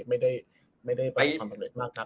ไม่ได้ไม่ได้แบบความสำเร็จมากครับ